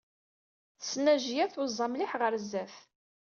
Tesnajya tuẓa mliḥ ɣer sdat.